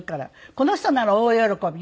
この人なら大喜びよ？